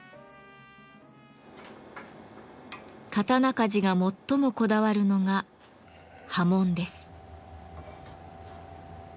刀鍛冶が最もこだわるのが刃文です。